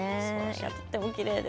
とってもきれいです。